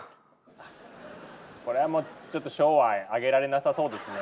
これはもうちょっと賞はあげられなさそうですね。